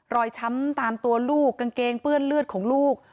ช้ำตามตัวลูกกางเกงเปื้อนเลือดของลูก